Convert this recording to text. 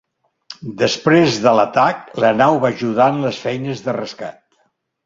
Després de l'atac, la nau va ajudar en les feines de rescat.